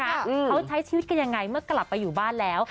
เขาใช้ชีวิตกันยังไงเมื่อกลับไปอยู่บ้านแล้ว